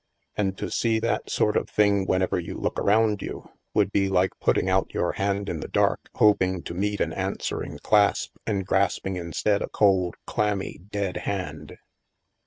And to see that sort of thing whenever you look around you, would be like putting out your hand in the dark, hoping to meet an answering clasp, and grasping instead a cold clammy dead hand."